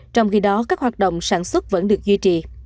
trong khi đó các hoạt động sản xuất vẫn được duy trì